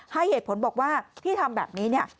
ให้เหตุผลบอกว่าที่ทำแบบนี้เนี่ย